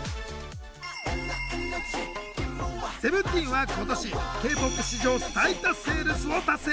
ＳＥＶＥＮＴＥＥＮは今年Ｋ−ＰＯＰ史上最多セールスを達成。